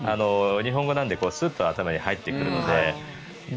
日本語なのでスッと頭に入ってくるので。